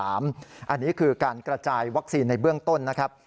อันนี้คือการกระจายวัคซีนในเบื้องต้นนะครับ